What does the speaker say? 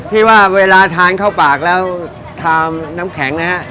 ที่ว่าเวลาทานเข้าปากแล้วทามน้ำแข็งนะฮะ